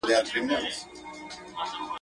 څوك به وژاړي سلګۍ د يتيمانو.